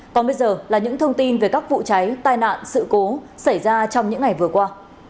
còn bây giờ là những thông tin về các vụ cháy tai nạn sự cố xảy ra trong những ngày vừa qua